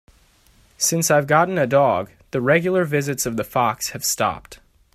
Since I've gotten a dog, the regular visits of the fox have stopped.